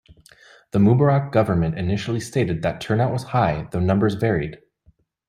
The Mubarak government initially stated that turnout was high, though numbers varied.